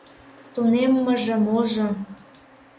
— Тунеммыже, можо!..